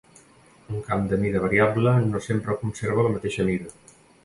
Un camp de mida variable no sempre conserva la mateixa mida.